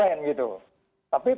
gatis banget dan moment macanya muncul